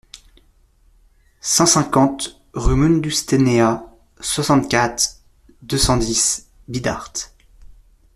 cent cinquante rue Mundustenea, soixante-quatre, deux cent dix, Bidart